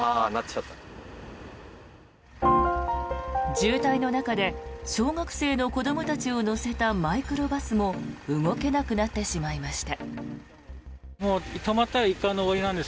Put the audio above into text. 渋滞の中で小学生の子どもたちを乗せたマイクロバスも動けなくなってしまいました。